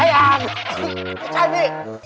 เฮ้ยไอ้อางเมื่อช่างรี่